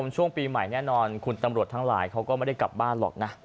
ช่วงปีใหม่แน่นอนคุณตำรวจทั้งหลายเขาก็ไม่ได้กลับบ้านหรอกนะ